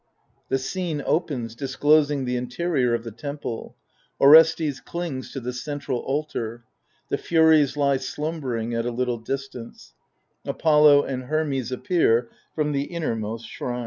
[The scene opens, disclosing the interior of the temple : Orestes clings to the centred altar; the Furies lie slumbering at a little dis tance; Apollo and Hermes appear from the innermost shrine.